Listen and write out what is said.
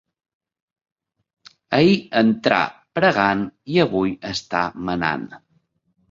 Ahir entrà pregant i avui està manant.